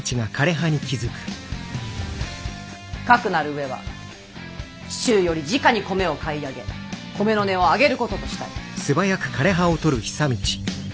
かくなる上は市中よりじかに米を買い上げ米の値を上げることとしたい！